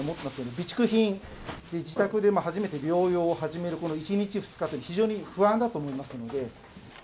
備蓄品、自宅で初めて療養を始めるこの１日２日というのは、非常に不安だと思いますので。